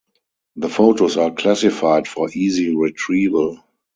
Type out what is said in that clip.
The photos are classified for easy retrieval.